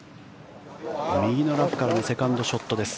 右のラフからのセカンドショットです。